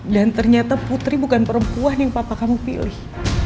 dan ternyata putri bukan perempuan yang papa kamu pilih